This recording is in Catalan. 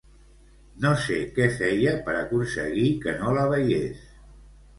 No sé què feia per aconseguir que no la veiés.